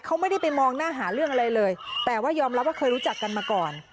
เขาไม่ได้ไปมองหน้าหาเรื่องอะไรเลยแต่ว่ายอมรับว่าเคยรู้จักกันมาก่อน